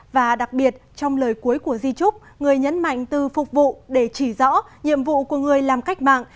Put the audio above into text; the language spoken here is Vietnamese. và đặc biệt trong lời cuối của di chúc người nhấn mạnh từ phục vụ để chỉ rõ nhiệm vụ của người làm cách mạng